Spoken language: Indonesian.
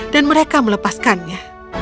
dan mereka melepaskannya